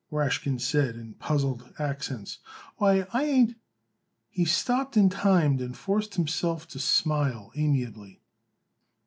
Rashkin said in puzzled accents. "Why, I ain't " He stopped in time and forced himself to smile amiably.